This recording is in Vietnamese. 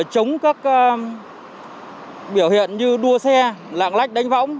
chống các biểu hiện như đua xe lạng lách đánh võng